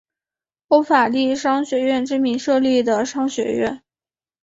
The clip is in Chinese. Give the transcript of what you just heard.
欧法利商学院之名设立的商学院。